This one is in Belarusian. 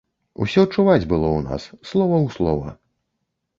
Усё чуваць было ў нас, слова ў слова.